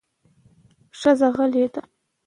ښځه غلې ده